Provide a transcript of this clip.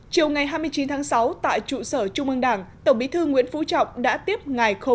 chiều ngày hai mươi chín tháng sáu tại trụ sở trung ương đảng tổng bí thư nguyễn phú trọng đã tiếp ngài